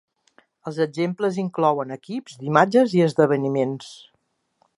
Els exemples inclouen equips d'imatges i esdeveniments.